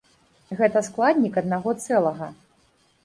Гэта складнік аднаго цэлага.